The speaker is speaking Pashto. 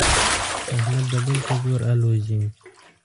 احمد د بل په زور الوزي.